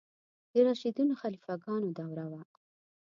د راشدینو خلیفه ګانو دوره وه.